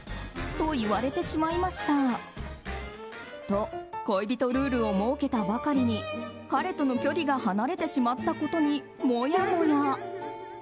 と、恋人ルールを設けたばかりに彼との距離が離れてしまったことにもやもや。